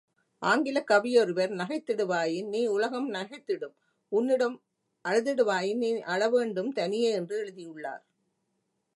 ஆங்கிலக் கவியொருவர், நகைத்திடுவாயின் நீ உலகம் நகைத்திடும் உன்னுடன் அழுதிடுவாயின் நீ அழவேண்டும் தனியே என்று எழுதியுள்ளார்.